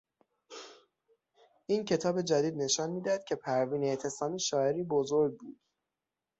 این کتاب جدید نشان میدهد که پروین اعتصامی شاعری بزرگ بود.